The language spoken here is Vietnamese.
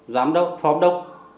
giám đốc phó đốc